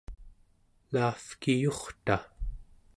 laavkiyurta